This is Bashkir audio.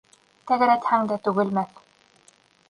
Тәгәрәтһәң дә түгелмәҫ.